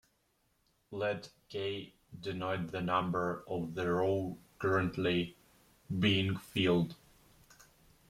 Let "k" denote the number of the row currently being filled.